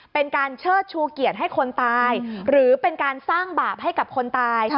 เป็นการเชิดชูเกียรติให้คนตายหรือเป็นการสร้างบาปให้กับคนตาย